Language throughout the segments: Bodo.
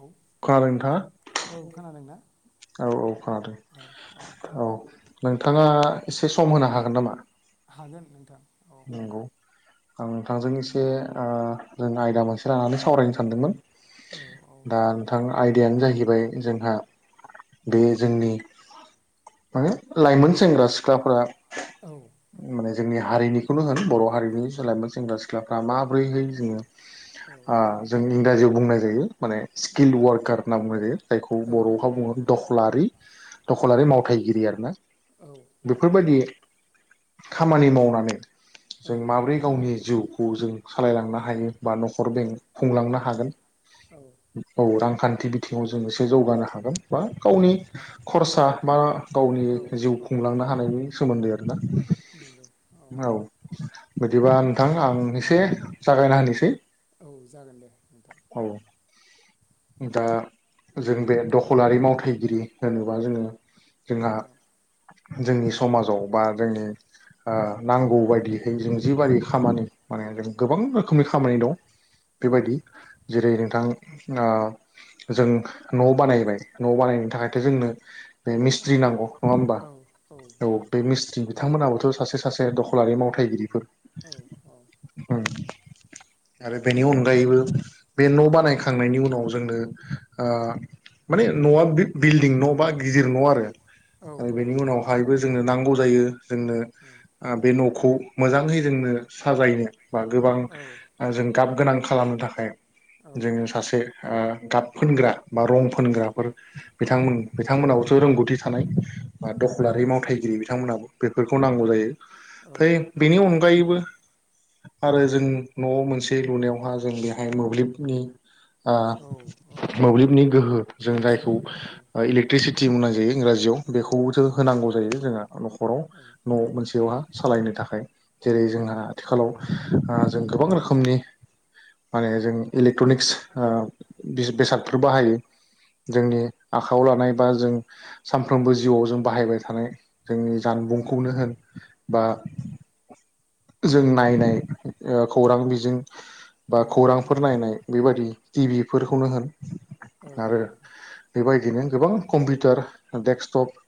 औ खोनादों नोंथाङा औ खोनादोंना औ औ औ औ खोनादों औ नोंथाङा एसे सम होनो हागोन नामा? हागोन नोंथां औ नंगौ आं नोंथांजों एसे ओ जों आयदा मोनसे लानानै सावरायनो सानदोंमोन। औ औ दा नोंथां आयदायानो जाहैबाय जोंहा बे जोंनि माने लाइमोन सेंग्रा सिख्लाफ्रा औ माने जोंनि हारिनिखौनो होन बर' हारिनि सो लाइमोन सेंग्रा सिख्लाफ्रा माब्रैहै जोङो औ ओ जों इंराजियाव बुंनाय जायो माने स्किल वारकार होनना बुंनाय जायो। जायखौ औ बर'हाव बुङो दखलारि दखलारि मावथायगिरि आरोना औ बेफोरबायदि खामानि मावनानै जों माबोरै गावनि जिउखौ जों उम सालायलांनो हायो बा न'खर बें खुंलांनो हागोन औ औ रांखान्थि बिथिङाव जों एसे जौगानो हागोन बा गावनि खरसा बा औ गावनि जिउ औ खुंलांनो हानायनि सोमोन्दै आरोना नंगौ औ बिदिबा नोंथां आं एसे जागायना होनोसै औ जागोन दे नोंथां औ दा जों बे दखलारि मावथायगिरि होनोबा जोङो जोंहा औ जोंनि समाजाव बा जोंनि ओ नांगौ बा बिहाय जों जिबारि खामानि माने जों गोबां रोखोमनि खामानि दं। औ बेबायदि जेरै औ नोंथां [inaudible] जों न' बानायबाय न' बानायनायनि थाखायथ' जोंनो बे मिस्ट्रि नांगौ नङा होमबा औ औ नंगौ बे मिस्ट्रिनि बिथांमोनहाबोथ' सासे सासे दखलारि मावथायगिरिफोर। औ ओं। औ। आरो बेनि अनगायैबो बे न' बानायखांनायनि उनाव जोंनो ओ माने न'आ बिल्डिं न' बा गिदिर न' आरो। औ आरो औ बेनि उनावहायबो जोंनो नांगौ जायो जोंनो औ बे न'खौ। मोजाङै जोंनो साजायनो बा गोबां औ औ जों गाब गोनां खालामनो थाखाय। औ जोङो सासे ओ गाब फोनग्रा बा रं औ फोनग्राफोर औ बिथांमोन बिथांमोनहाबोथ' रोंगौथि थानाय बा नंगौ दखलारि मावथायगिरि बिथांमोनहाबो बेफोरखौ नांगौ जायो। औ फ्राय बेनि अनगायैबो आरो जों न'आव मोनसे लुनायावहा जों बेहाय मोब्लिबनि ओ औ औ मोब्लिबनि गोहो गोनांथि जोंनायखौ जायो औ इले एक्ट्रिसिटि बुंनाय जायो इंराजियाव औ बेखौबोथ' होनांगौ जायो जोंहा न'खराव औ औ न'आव मोनसेयावहा। सालायनो थाखाय जेरै जोंहा उम आथिखालाव जों गोबां रोखोमनि माने जों इलेक्ट्रनिक्स ओ बेसादखौ बाहायो। जोंनि आखाइआव लानाय बा जों सानफ्रोमबो जिउआव जों बाहायबाय थानाय जोंनि जानबुंखौनो होन बा जों नायनाय खौरां बिजों बा औ खौरांफोर औ नायनाय बेबायाददि टि भिफोरखौनो होन औ आरो नंगौ बेबायदिनो गोबां कम्पिउटार डेक्स्सटप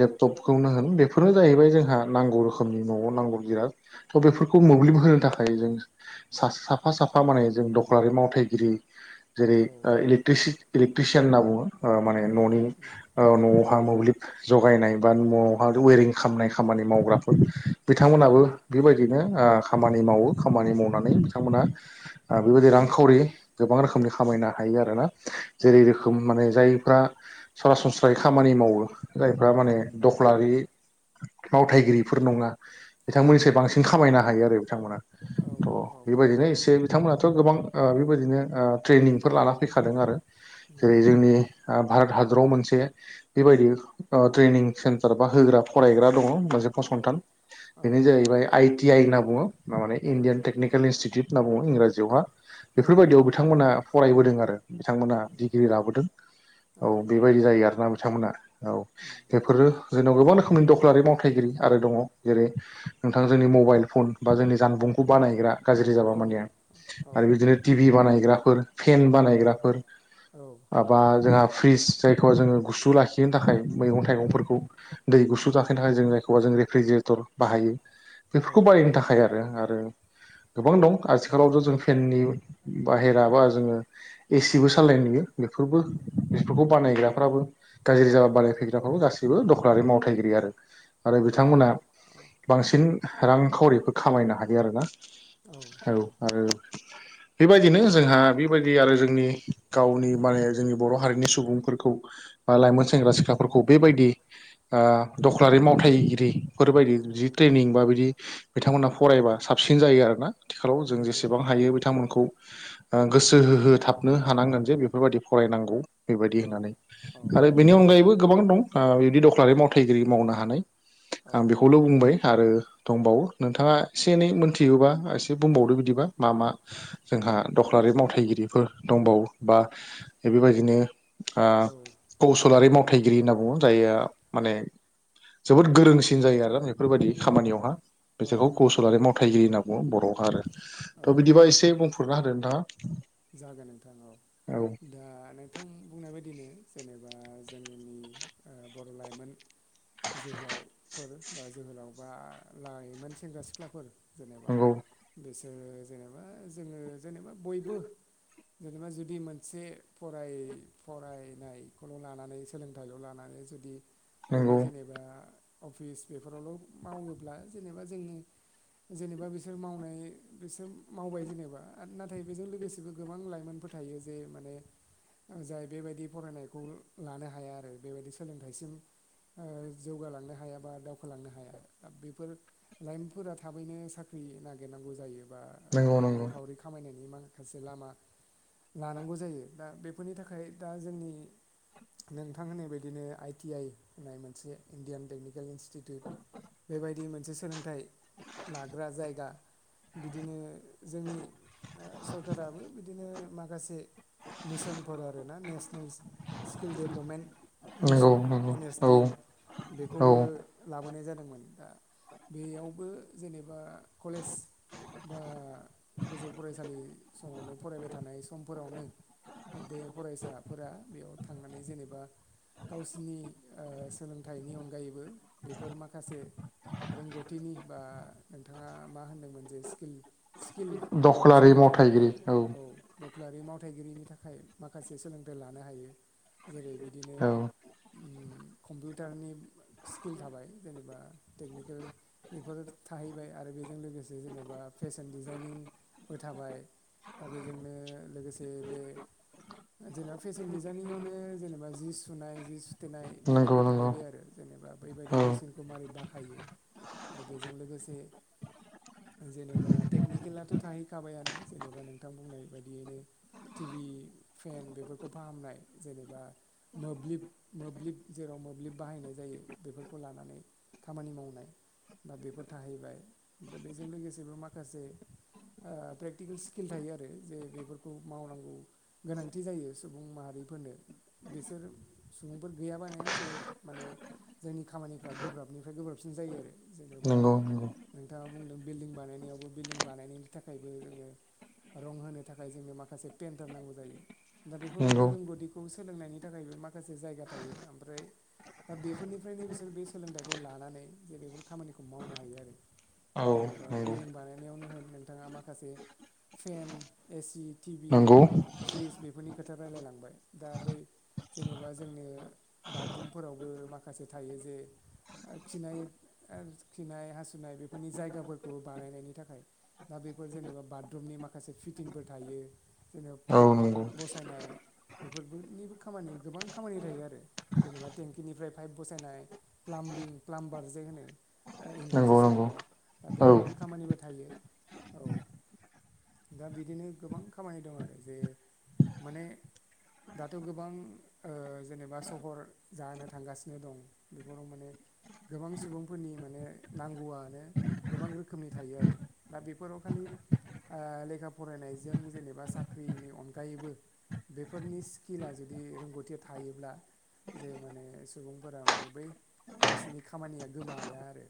लेपटपखौनो होन बेफोरनो जाहैबाय जोंहा नांगौ रोखोमनि न'आव नांगौ बिराथ' बेफोरखौ मोब्लिब होनो थाखाय जों सासे साफा साफा माने जों दखलारि मावथायगिरि। जेरै औ नों ओ औ इलेकट्रिसि इलेकट्रिसियान होनना बुङो ओ माने न'नि नों औ न'आव मोब्लिब जगायनाय बा न'आव हार्डवेरिं खामनाय खामानि मावग्राफोर बिथांमोनाबो बेबायदिनो ओ खामानि मावो खामानि मावनानै बिथांमोनहा आ बेबायदि रांखावरि गोबां रोखोमनि खामायनो हायो आरोना औ जेरै रोखोम माने जायफ्रा सरासनस्रायै खामानि मावो जायफ्रा माने उम दखलारि मावथायगिरिफोर नङा बिथांमोननिसाय बांसिन खामायनो हायो आरो बिथांमोना। अ औ बेबायदिनो एसे बिथांमोनाथ' गोबां ओ बेबायदिनो ओ ट्रेनिंफोर लाना फैखादों आरो जेरै नंगौ जोंनि भारत ओ हादराव मोनसे बेबायदि ओ ट्रेनिं सेन्टार बा होग्रा फरायग्रा दङ मोनसे औ फसंथान। औ बेनो जाहैबाय आइ टि आइ होनना बुङो माने औ इण्डियान टेकनिकेल इनस्टिटिउट। होनना बुङो इंराजियावहा बेफोरबायदियाव बिथांमोनहा फरायबोदों आरो। बिथांमोना उम डिग्रि लाबोदों औ बेबायदि जायो आरोना बिथांमोना औ। उम बेफोरो जोंनाव गोबां रोखोमनि दखलारि मावथायगिरि आरो दङ। जेरै नोंथां जोंनि मबाइल फन बा जोंनि जानबुंखौ बानायग्रा गाज्रि जाबा औ माने आरो बिदिनो टि भि बानायग्राफोर फेन औ बानायग्राफोर आब बा जोंहा फ्रिस जायखौ जोङो गुसु लाखिनो थाखाय मैगं थाइगंफोरखौ दै औ गुसु लाखिनो थाखाय जों जायखौ जों रेफ्रिजिरेटर बाहायो। औ बेफोरखौ बायनो थाखाय आरो आरो गोबां दं आथिखालावथ' जों फेननि बाहेरा बा जोङो एसिबो सालायनाय नुयो बेफोरबो बेफोरखौ बानायग्राफ्राबो गाज्रि जाबा औ बानायफैग्रा औ‌ गासिबो दखलारि मावथायगिरि आरो आरो नंगौ बिथांमोना औ बांसिन रांखावरिफोर खामायनो हायो आरोना औ आरो बेबायदिनो जोंहा बेबायदि आरो जोंनि गावनि माने जोंनि बर' हारिनि सुबुंफोरखौ बा लाइमोन सेंग्रा सिख्लाफोरखौ बेबायदि ओ दखलारि मावथायगिरि बेफोरबायदि औ जि ट्रेनिं बा बिदि औ बिथांमोनहा फरायबा साबसिन जायो आरोना औ जों नंगौ जेसेबां औ हायो बिथांमोनखौ ओ गोसो होहो थाबनो हानांगोन जे बेफोरबायदि फरायनांगौ बेबायदि औ होननानै औ आरो बेनि अनगायैबो गोबां दं बिदि दखलारि मावथायगिरि मावनो हानाय आं बेखौल' बुंबाय आरो दंबावो नोंथाङा एसे एनै मोनथिगौबा एसे एसे बुंबावदो बिदिबा मा मा जोंहा दखलारि मावथायगिरिफोर दंबावो बा बेफोरबायदिनो ओ कौसलारि मावथायगिरि होनना बुङो जायआ माने जोबोद गोरोंसिन सिन जायो नाला बेफोरबायदि खामानियावहा बिसोरखौ औ कौसलारि मावथायगिरि होनना बुङो बर'हा आरो औ थ' बिदिबा औ एसे बुंफोरना होदो नोंथाङा जागोन नोंथां औ औ दा नोंथां बुंनाय बायदिनो जेनेबा जोंनि ओ बर' लाइमोन जोहोलावफोर बा जोहोलाव बा लाइमोन सेंग्रा सिख्लाफोर जेनेबा नंगौ बिसोरो जेनेबा जोङो जेनेबा बयबो जेनेबा जुदि मोनसे फराय फरायनायखौल' लानानै सोलोंथाइल' लानानै जु दि नंगौ बयबो जेनेबा अफिस बेफोरावल' मावोब्ला जेनेबा जोङो जेनेबा बिसोर मावनाय बिसोर मावबाय जेनेबा नाथाय बेजों लोगोसे गासिबो गोबां लाइमोनफोर थायो जे माने जाय बेबायदि फरायनायखौ लानो हाया आरो बेबायदि सोलोंथाइसिम ओ जौगालांनो हाया बा दावखोलांनो हाया बेफोर लाइमोनफोरा थाबैनो साख्रि नागिरनांगौ जायो बा नंगौ नंगौ रांखावरि खामायनायनि मा माखासे लामा लानांगौ जायो दा बेफोरनि थाखाय दा जोंनि नोंथां होननाय बायदिनो आइ टि आइ होननाय मोनसे इण्डियान टेकनिकेल इन इन्सितिउइत बेबाय बियो मोनसे सोलोंथाइ लाग्रा जायगा बिदिनो जे ओ स फोराबो बिदिनो माखासे मिसनफोर आरो ना नेसनेल स्किल डेभलपमेन्ट नंगौ मिसोन नंगौ एन एस डि एम औ बेखौबो लाबोनाय जादोंमोन दा बेयावबो जेनेबा कलेज बा गोजौ फरायसालि समावनो फरायबाय थानाय समफोरावनो बे फरायसाफोरा बेयाव थांनानै जेनेबा गावसिनि ओ सोलोंथाइनि अनगायैबो बेफोर माखासे रोंगौथिनि बा नोंथाङा मा होनदोंमोन जे स्किल स्किल दख्लारि सोलोंथाइ औ मावथायगिरि औ दख्लारि मावथायगिरिनि थाखाय माखासे सोलोंथाइ लानो हायो जेरै बिदिनो औ कम्पिउटारनि स्किल थाबाय जेनेबा टेकनिकेल बेफोरो थाहैबाय आरो बेजों लोगोसे जेन'बा फेशन डिजाइनिंबो थाबाय दा बेजोंनो लोगोसे बे जेनेबा फेसन डिजाइनिंआवनो जेनेबा जि सुनाय जि सुथेनाय नंगौ बेफोरबो नंगौ थाहैबाय आरो जेनेबा बैबायदि औ मेसचिनखौ मारै बाहायो आरो बेजों लोगोसे जेन'बा टेकनिकेलाथ' थाहैखाबायानो जेनेबा नोंथां बुंनाय बायदियैनो टिभि फेन बेफोरखौ फाहामनाय जेनेबा मोब्लिब मोब्लिब जेराव मोब्लिब बाहायनाय जायो बेफोरखौ लानानै खामानि मावनाय दा बेफोर थाहैबाय ओमफ्राय बेजों लोगोसेबो माखासेे ओ प्रेग टिकेल स्किल थायो आरो जे बेफोरखौ मावनांगौ गोनांथि जायो सुबुं माहारिफोरनो। बिसोर सुबुंफोर गैयाबानो जे माने जोंनि खामानिफ्रा गोब्राबनिफ्राय गोब्राबसिन जायो आरो। जेनोबा नंगौ नंगौ नोंथाङा बुंदों बिल्डिं बानायनायावबो बिल्डिं बानायनायनि थाखायबो जोङो रं होनो थाखाय जोंनो माखासे पेन्टार नांगौ जायो। दा बेफोरबायदि नंगौ रोंगौथिखौ सोलोंनायनि थाखायबो माखासे जायगा थायो ओमफ्राय दा बेफोरनिफ्रायनो बिसोर बे सोलोंथाइखौ लानानै जे बेफोर खामानिखौ मावनो हायो आरो। औ जेन'बा नंगौ बिल्डिं बानायनायावनो होन नोंथाङा माखासे फेन एसि टिभि नंगौ फ्रिज बेफोरनि खोथा रायलायलांबाय दा बै जेनोबा जोंनो बाथरुमफोरावबो माखासे थायो जे ओ खिनाय ओ खिनाय हासुनाय बेफोरनि जायगाफोरखौबो बानायनायनि थाखाय दा बेफोर जेनोबा बाट रुमनि माखासे फिटिंफोर थायो जेन' औ पाइप बसायनाय बेफोरबो निबो खामानि गोबां खामानि थायो आरो जेनोबा टेंकिनिफ्राय पाइप बसायनाय प्लाम्बिं प्लाम्बार जे होनो दा नंगौ इंराजि नंगौ सोदोबाव दा औ बेफोर खामानिबो थायो औ। दा बिदिनो गोबां खामानि दं आरो जे माने दाथ' गोबां ओ जेनोबा सहर जानो थांगासिनो दं। बेफोराव माने गोबां सुबुंफोरनि माने नांगौयानो गोबां रोखोमनि थायो आरो। दा बेफोराव खालि ओ लेखा फरायनायजों जेनोबा साख्रिनि अनगायैबो बेफोरनि स्किला जुदि रोंगौथिया थायोब्ला जे माने सुबुंफोरा माने बै गावसिनि खामानिया गोमाया आरो।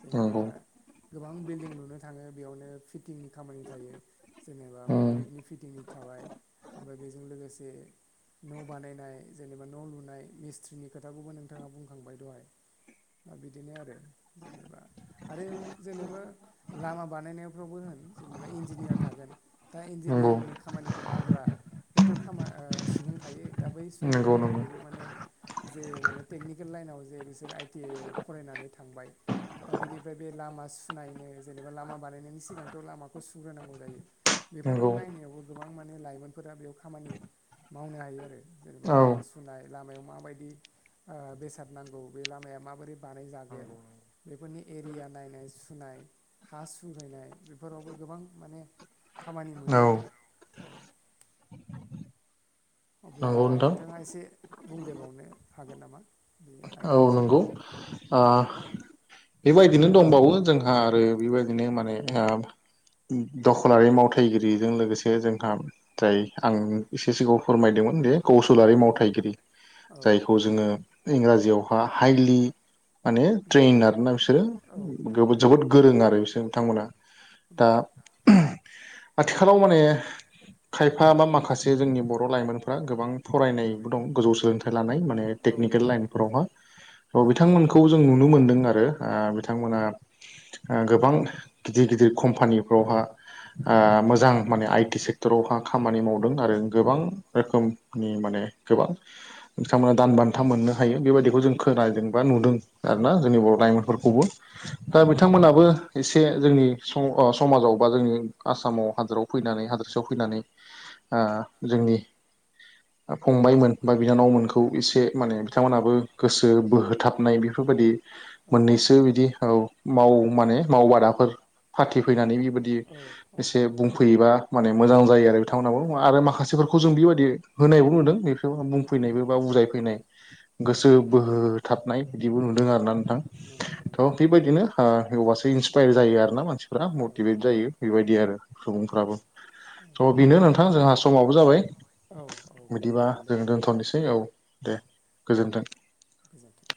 जेनैबा नंगौ गोबां बिल्दिं लुनो थाङो बेयावनो फिटिंनि खामानि थायो जेनोबा उम मोब्लिबनि फिटिंनि थाबाय ओमफ्राय बेजों लोगोसे न' बानायनाय जेनोबा न' लुनाय मिस्थ्रिनि खोथाखौबो नोंथाङा बुंखांबाय दहाय। दा बिदिनो आरो जेनोबा आरो जेनोबा लामा बानायनायफ्रावबो होन जे एबा इन्जिनियार थागोन दा नंगौ इन्जिनियारनि खामानिखौ मावग्रा हयथ' खामा ओ सुबुं थायो दा बै नंगौ सुबुंफोरनि नंगौ थाखायबो माने जे माने टेकनिकेल लायेनाव जे बिसोर आइ टि आइ आव फरायनानै थांबाय। दा बेनिफ्राय बे लामा सुनायनो जेनोबा लामा बानायनायनि सिगांथ' लामा खौ सुग्रोनांगौ जायो। बेफोरखौ नंगौ नायनायावबो गोबां माने लाइमोनफोरा बेयाव खामानि मावनो हायो आरो। जेनोबा औ लामा सुनाय लामायाव माबायदि ओ बेसाद नांगौ बे लामाया माबोरै औ बानायजागोन बेफोरनि एरिया नायनाय सुनाय हा सुहैनाय बेफोरावबो गोबां माने खामानि मोनो नंगौ आरो औ। [inaudible] अब्ला नोंथां नोंथाङा एसे बुंदेरबावनो हागोन नामा बे औ आयदानि सा नंगौ ओ बेबायदिनो दंबावो जोंहा आरो बेबायदिनो माने ओ दखलारि मावथायगिरिजों लोगोसे जोंहा जाय आं एसे सिगाङाव फोरमायदोंमोन दि कौसलारि मावथायगिरि औ जायखौ औ जोङो इंराजियावहा हाइलि माने उम ट्रैन आरोना बिसोरो औ औ जोबोद गोरों आरो बिसोर बिथांमोना। उम दा आथिखालाव माने खायफा बा माखासे जोंनि बर' लाइमोनफ्रा गोबां फरायनायबो दं गोजौ सोलोंथाइ लानाय माने औ टेकनिकेल लाइनफोरावहाय बिथांमोनखौ जों नुनो मोनदों आरो। आ‌ बिथांमोना आ‌ गोबां गिदिर - गिदिर कम्पानिफ्रावहाय आ‌ औ मोजां माने आइटि सेक्ट रहा खामानि मावदों आरो गोबां रोखोमनि माने गोबां बिथांमोना दान बान्था मोननो हायो बेबायदिखौ जों खोनादोंबा नुदों आरोना जोंनि बर' औ फोरखौबो दा बे बिथांमोनाबो एसे जोंनि ओ समाजाव बा जोंनि आसामाव हादराव फैनानै हादरसायाव फैनानै ओ जोंनि फंबायमोन बा बिनानावमोनखौ एसे माने बिथांमोनहाबो गोसो बोहोथाबनाय बेफोरबायदि औ मोननैसो बिदि औ माव माने मावबादाफोर पार्टि फैनानै बेबायदि औ औ एसे बुंफैयोबा माने मोजां जायो आरो बिथांमोनाबो आरो माखासेफोरखौ जों बेबायदि होनायबो नुदों बे बुंफैनायबो बा बुजायफैनाय गोसो औ बोहोथाबनाय बिदिबो नुदों आरोना नोंथां। नंगौ। थ' नंगौ बेबायदिनो होमबासो इन्सपायार जायो आरो ना मानसिफ्रा औ मटिभेट जायो नंगौ बेबायदि आरो। सुबुंफ्राबो [inaudible] थ' बेनो नोंथां जोंहा समावबो जाबाय। औ औ बिदिबा जागोन दे जों नोंथां दोनथ'नोसै औ औ दे दे गोजोनथों। गोजोन्थों।